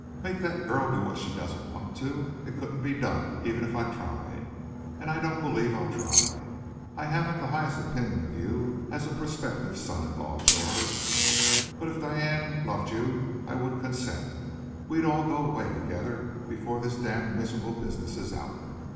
"Make that girl do what she doesn't want to? It couldn't be done, even if I tried. And I don't believe I'll try. I haven't the highest opinion of you as a prospective son in law, George. But if Diane loved you I would consent. We'd all go away together before this damned miserable business is out.